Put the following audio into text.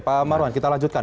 oke kita lanjutkan